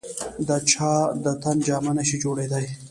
د چا د تن جامه نه شي جوړېدای.